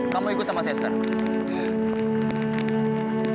kamu ikut sama saya sekarang